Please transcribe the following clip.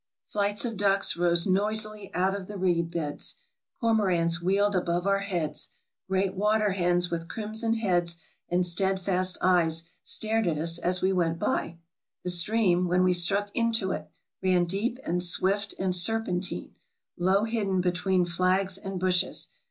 Flights of ducks rose noisily out of the reed beds. Cormorants wheeled above our heads. Great water hens, with crimson heads and steadfast eyes, stared at us as we went by. The stream, when we struck into it, ran deep and swift and serpentine, low hidden between flags and bushes.